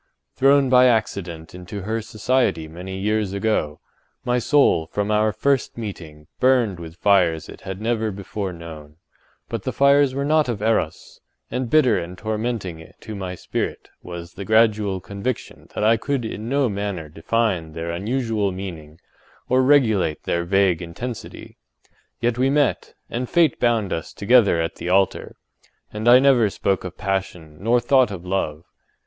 Thrown by accident into her society many years ago, my soul from our first meeting, burned with fires it had never before known; but the fires were not of Eros, and bitter and tormenting to my spirit was the gradual conviction that I could in no manner define their unusual meaning or regulate their vague intensity. Yet we met; and fate bound us together at the altar; and I never spoke of passion nor thought of love.